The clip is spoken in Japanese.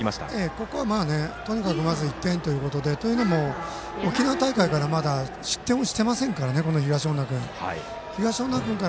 ここは、とにかくまず１点ということで。というのも沖縄大会から失点をしていませんから東恩納君は。